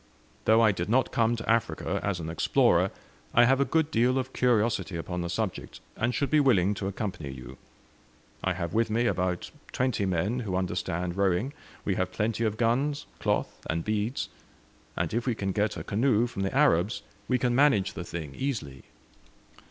Though I did not come to Africa as an explorer, I have a good deal of curiosity upon the subject, and should be willing to accompany you. I have with me about twenty men who understand rowing we have plenty of guns, cloth, and beads; and if we can get a canoe from the Arabs we can manage the thing easily."